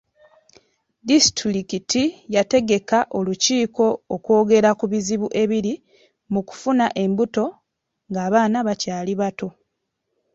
Disitulikiti yategeka olukiiko okwogera ku bizibu ebiri mu kufuna embuto ng'abaana bakyali bato.